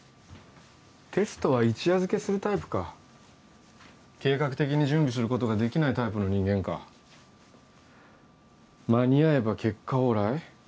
テストは一夜漬けするタイプか計画的に準備することができないタイプの人間か間に合えば結果オーライ？